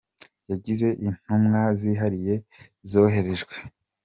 yagize intumwa zihariye zoherejwe.